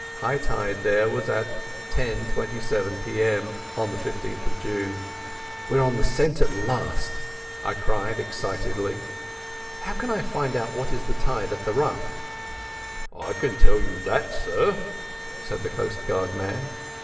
High tide there was at 10.27 p.m. on the 15th of June. "We're on the scent at last," I cried excitedly. "How can I find out what is the tide at the Ruff?" "I can tell you that, sir," said the coastguard man.